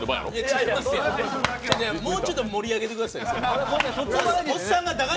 違いますよ、もうちょっと盛り上げてください。